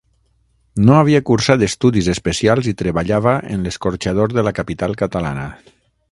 No havia cursat estudis especials i treballava en l'escorxador de la capital catalana.